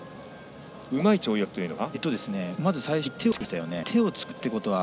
うまい跳躍というのは？